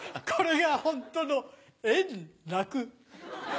これが本当の、えんらく。